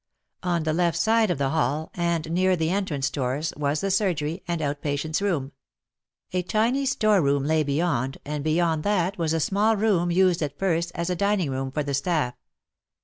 On the left side of the hall and near the entrance doors was the surgery and out patients' room ; a tiny store room lay beyond, and beyond that was a small room used at first as a dining room by the staff.